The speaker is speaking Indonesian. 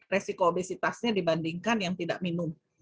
resiko obesitasnya dibandingkan yang tidak minum